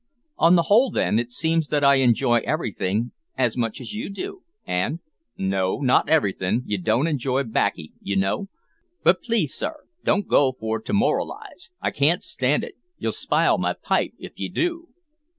"On the whole, then, it seems that I enjoy everything as much as you do, and " "No, not everything; you don't enjoy baccy, you know. But please, sir, don't go for to moralise; I can't stand it. You'll spile my pipe if ye do!"